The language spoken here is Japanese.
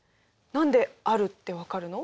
何であるって分かるの？